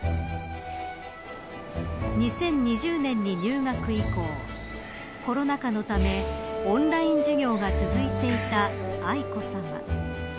２０２０年に入学以降コロナ禍のためオンライン授業が続いていた愛子さま。